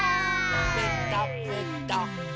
ぺたぺた。